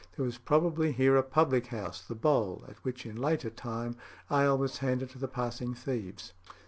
There was probably here a public house, the Bowl, at which in later time ale was handed to the passing thieves.